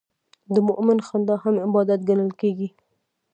د مؤمن خندا هم عبادت ګڼل کېږي.